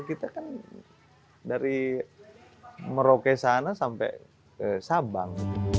kita kan dari merauke sana sampai ke sabang